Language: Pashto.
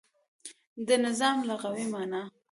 د نظام لغوی معنا